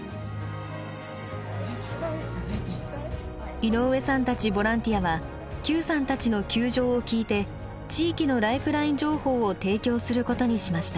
井上さんたちボランティアは邱さんたちの窮状を聞いて地域のライフライン情報を提供することにしました。